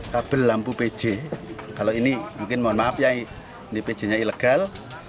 kabel lampu pj kalau ini mungkin mohon maaf ya ini pj nya ilegal